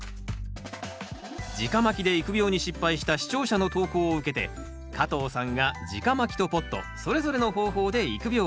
じかまきで育苗に失敗した視聴者の投稿を受けて加藤さんがじかまきとポットそれぞれの方法で育苗。